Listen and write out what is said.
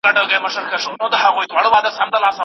ارواپوهنه دا رڼا لا پسي روښانه کوي.